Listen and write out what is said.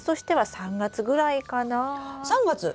３月？